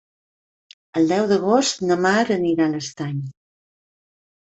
El deu d'agost na Mar anirà a l'Estany.